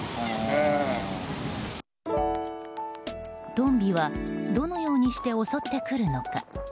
トンビはどのようにして襲ってくるのか。